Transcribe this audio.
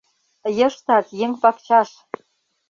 Йыштак еҥ пакчаш